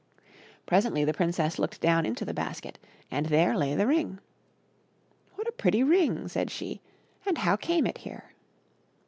Presently the princess looked down into the basket, and there lay the ring. " What a pretty ring !" said she. " And how came it here